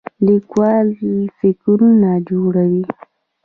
لیکوال فکرونه جوړوي